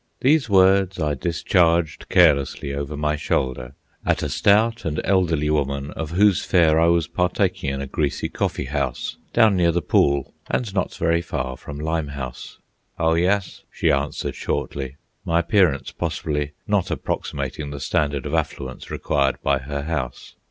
These words I discharged carelessly over my shoulder at a stout and elderly woman, of whose fare I was partaking in a greasy coffee house down near the Pool and not very far from Limehouse. "Oh yus," she answered shortly, my appearance possibly not approximating the standard of affluence required by her house.